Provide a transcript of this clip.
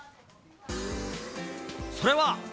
それは。